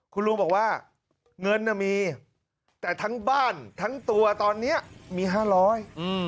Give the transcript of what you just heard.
คุณลุงบอกว่าเงินน่ะมีแต่ทั้งบ้านทั้งตัวตอนเนี้ยมีห้าร้อย